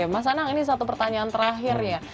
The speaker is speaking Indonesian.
mas anang ini satu pertanyaan terakhir ya